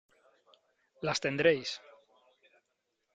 las tendréis .